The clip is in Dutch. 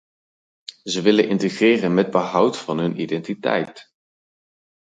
Ze willen integreren met behoud van hun identiteit.